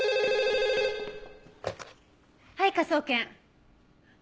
はい科捜研。